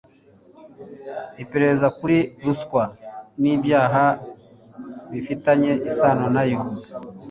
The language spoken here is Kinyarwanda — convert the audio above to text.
iperereza kuri ruswa n ibyaha bifitanye isano nayo